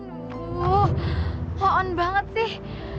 aduh ho on banget sih